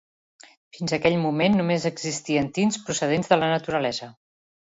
Fins a aquell moment, només existien tints procedents de la naturalesa.